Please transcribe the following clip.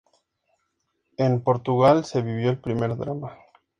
En Portugal se vivió el primer drama.